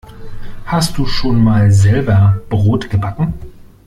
Hast du schon mal selber Brot gebacken?